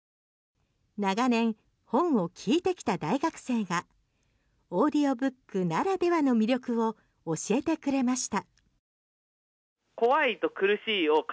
長年、本を聴いてきた大学生がオーディオブックならではの魅力を教えてくれました。